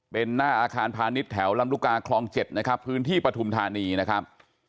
เป็นหน้าอาคารพาณิชย์แถวลำลูกกาคลอง๗นะครับพื้นที่ปฐุมธานีนะครับ